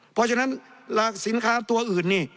เพราะฉะนั้นสินค้าตัวอื่นนี่